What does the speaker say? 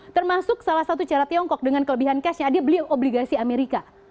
termasuk salah satu cara tiongkok dengan kelebihan cashnya dia beli obligasi amerika